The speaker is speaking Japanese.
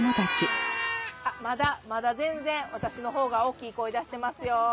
まだ全然私の方が大きい声出してますよ。